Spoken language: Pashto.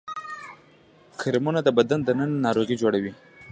کرمونه د بدن دننه ناروغي جوړوي